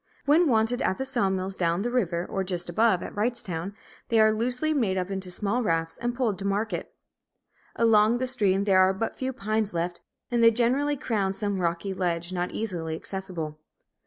When wanted at the saw mills down the river, or just above, at Wrightstown, they are loosely made up into small rafts and poled to market. Along the stream there are but few pines left, and they generally crown some rocky ledge, not easily accessible.